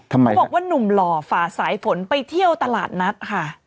เขาบอกว่านุ่มหล่อฝ่าสายฝนไปเที่ยวตลาดนัดค่ะ